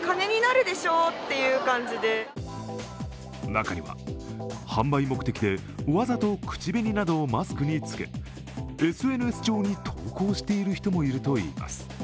中には販売目的で、わざと口紅などをマスクにつけＳＮＳ上に投稿している人もいるといいます。